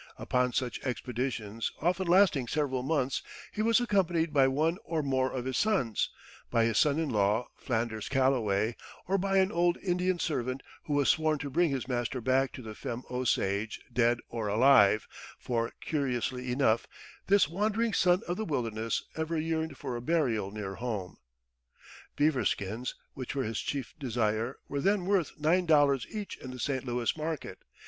Upon such expeditions, often lasting several months, he was accompanied by one or more of his sons, by his son in law Flanders Calloway, or by an old Indian servant who was sworn to bring his master back to the Femme Osage dead or alive for, curiously enough, this wandering son of the wilderness ever yearned for a burial near home. Beaver skins, which were his chief desire, were then worth nine dollars each in the St. Louis market.